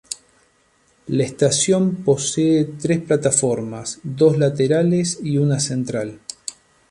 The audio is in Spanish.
La estación posee tres plataformas, dos laterales y una central.